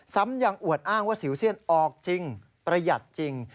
ซ้ำยังอวดอ้างว่าสิวเซียนออกจริงประหยัดจริง